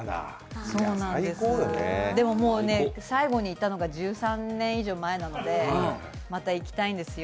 でも、最後に行ったのが１３年以上前なのでまた行きたいんですよ。